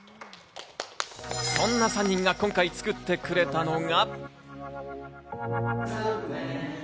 そんな３人が今回作ってくれたのが。